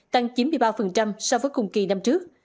tăng chín mươi ba so với cùng kỳ năm trước